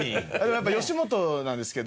やっぱ吉本なんですけど。